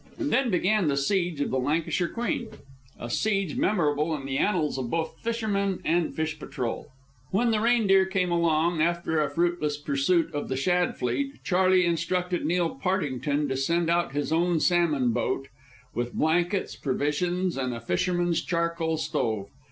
And then began the siege of the Lancashire Queen, a siege memorable in the annals of both fishermen and fish patrol. When the Reindeer came along, after a fruitless pursuit of the shad fleet, Charley instructed Neil Partington to send out his own salmon boat, with blankets, provisions, and a fisherman's charcoal stove.